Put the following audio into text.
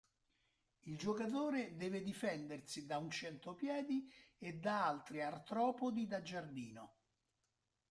Il giocatore deve difendersi da un centopiedi e da altri artropodi da giardino.